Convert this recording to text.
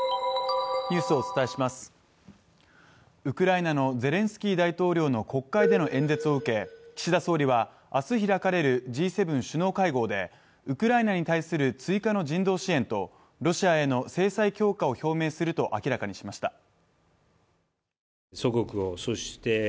ウクライナのゼレンスキー大統領の国会での演説を受け岸田総理は、明日開かれるＧ７首脳会合で、ウクライナに対する追加の人道支援とロシアへの制裁強化を表明すると明らかにしました。